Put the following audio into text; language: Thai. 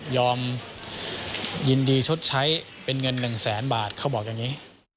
ยินดีชดใช้เป็นเงิน๑แสนบาทเขาบอกอย่างนี้